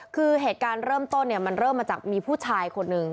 คือเหตุการณ์เริ่มต้นมันเริ่มมาจากมีผู้ชายคนหนึ่ง